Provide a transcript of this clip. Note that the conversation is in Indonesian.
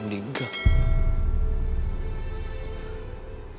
apa yang aku satu sikip